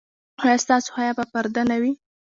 ایا ستاسو حیا به پرده نه وي؟